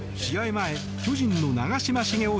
前、巨人の長嶋茂雄